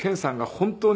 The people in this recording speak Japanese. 本当に。